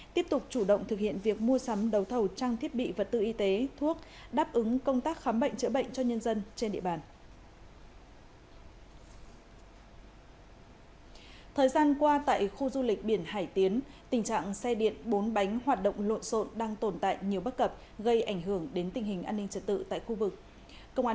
tiếp tục chủ động thực hiện việc mua sắm đầu thầu trang thiết bị vật tư y tế thuốc đáp ứng công tác khám bệnh chữa bệnh cho nhân dân trên địa bàn